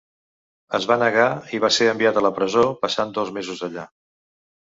Es va negar, i va ser enviat a la presó, passant dos mesos allà.